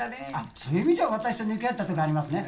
そういう意味じゃ私と似通ったとこありますね。